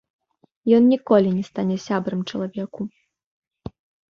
Ён ніколі не стане сябрам чалавеку.